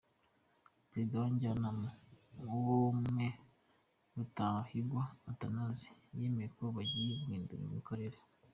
Perezida wa Njyanama yawo, Me Rutabingwa Athanase, yemeza ko bagiye guhindura imikorere.